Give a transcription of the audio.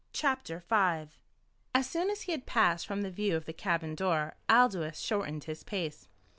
CHAPTER V As soon as he had passed from the view of the cabin door Aldous shortened his pace.